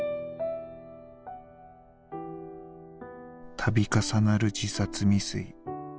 「度重なる自殺未遂。